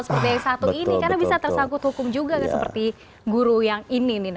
seperti yang satu ini karena bisa tersangkut hukum juga seperti guru yang ini